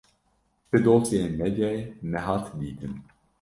Ti dosyeyên medyayê nehat dîtin.